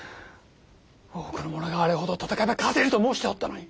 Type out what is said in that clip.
多くの者があれほど戦えば勝てると申しておったのに。